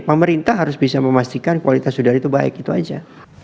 pemerintah harus bisa memastikan kualitas udara itu baik itu aja